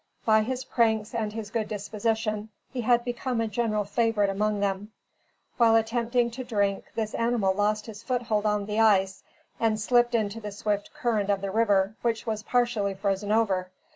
By his pranks and his good disposition he had become a general favorite among them. While attempting to drink, this animal lost his foot hold on the ice and slipped into the swift current of the river, which was partially frozen over.